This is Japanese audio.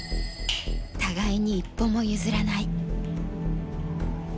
互いに一歩も譲らない。